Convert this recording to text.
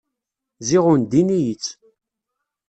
Ziɣ undin-iyi-tt.